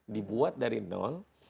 dibuat dari non